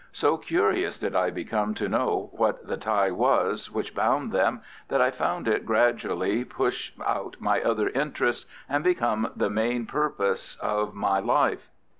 So curious did I become to know what the tie was which bound them, that I found it gradually push out my other interests and become the main purpose of my life.